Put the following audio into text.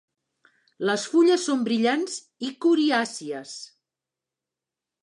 Les fulles són brillants i coriàcies.